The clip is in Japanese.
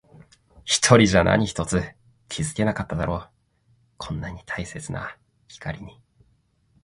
一人じゃ何一つ気づけなかっただろう。こんなに大切な光に。